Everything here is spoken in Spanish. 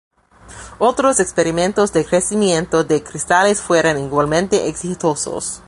Otros experimentos de crecimiento de cristales fueron igualmente exitosos.